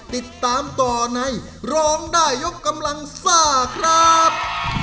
ติดตามต่อในร้องได้ยกกำลังซ่าครับ